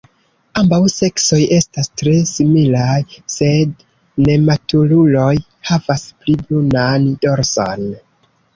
Ambaŭ seksoj estas tre similaj, sed nematuruloj havas pli brunan dorson.